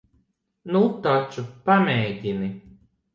Nu taču, pamēģini.